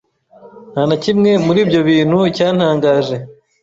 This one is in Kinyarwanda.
Nta na kimwe muri ibyo bintu cyantangaje.